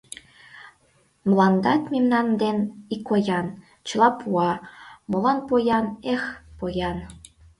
Мландат мемнан ден икоян, Чыла пуа, молан поян, эх, поян!